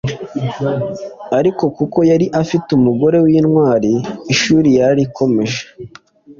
ariko kuko yari afite umugore w’intwali ishuli yararikomeje